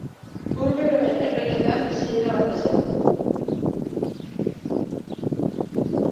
Ur bero eta epeletan bizi dira batez ere.